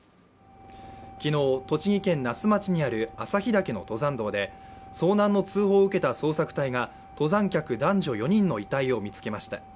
昨日、栃木県那須町にある朝日岳の登山道で遭難の通報を受けた捜索隊が登山客男女４人の遺体を見つけました。